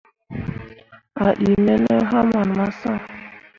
A ɗii me ne haman massh.